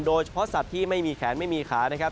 สัตว์ที่ไม่มีแขนไม่มีขานะครับ